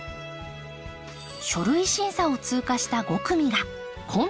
書類審査を通過した５組がコンテストに参加。